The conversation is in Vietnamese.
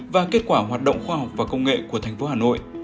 và kết quả hoạt động khoa học và công nghệ của thành phố hà nội